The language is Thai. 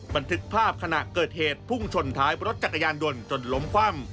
บันทึกภาพขณะเกิดเหตุพุ่งชนท้ายรถจักรยานยนต์จนล้มคว่ำ